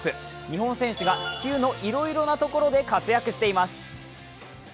日本選手が地球のいろいろなところで活躍しています。